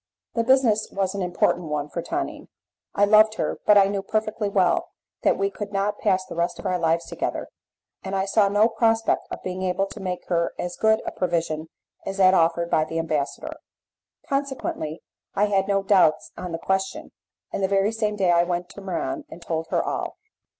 The business was an important one for Tonine. I loved her, but I knew perfectly well that we could not pass the rest of our lives together, and I saw no prospect of being able to make her as good a provision as that offered by the ambassador. Consequently I had no doubts on the question, and the very same day I went to Muran and told her all.